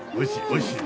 おいしい？